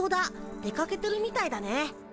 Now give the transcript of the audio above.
出かけてるみたいだね。